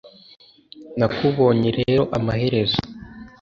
nakubonye rero amaherezo!